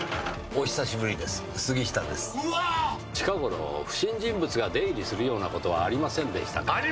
近頃不審人物が出入りするような事はありませんでしたか？